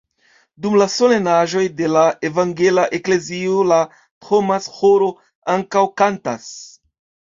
Dum la solenaĵoj de la evangela eklezio la Thomas-ĥoro ankaŭ kantas.